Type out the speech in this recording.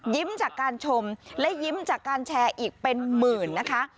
จากการชมและยิ้มจากการแชร์อีกเป็นหมื่นนะคะ